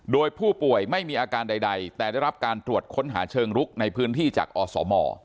โดยผู้ป่วยไม่มีอาการใดแต่ได้รับการตรวจค้นหาเชิงลุกในพื้นที่จากอสม